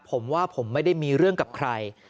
ผมว่าผมไม่ได้มีเรื่องกับใคร